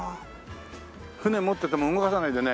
船持ってても動かさないでね